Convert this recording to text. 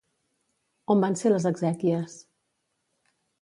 On van ser les exèquies?